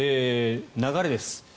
流れです。